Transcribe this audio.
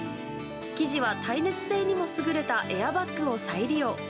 生地は耐熱性にも優れたエアバッグを再利用。